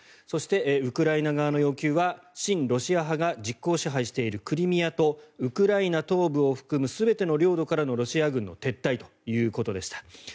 そして、ウクライナ側の要求は親ロシア派が実効支配しているクリミアとウクライナ東部を含む全ての領土からのロシア軍の撤退ということでした。